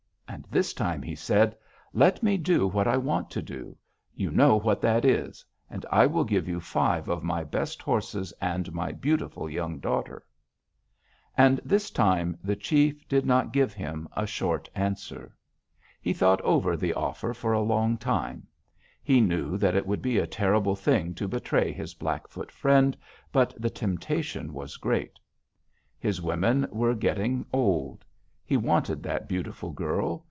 And this time he said: 'Let me do what I want to do; you know what that is; and I will give you five of my best horses and my beautiful young daughter.' "And this time the chief did not give him a short answer. He thought over the offer for a long time. He knew that it would be a terrible thing to betray his Blackfoot friend, but the temptation was great. His women were getting old. He wanted that beautiful girl.